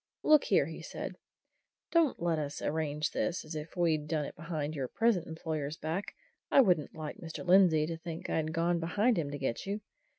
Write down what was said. "Look here!" he said. "Don't let us arrange this as if we'd done it behind your present employer's back I wouldn't like Mr. Lindsey to think I'd gone behind him to get you.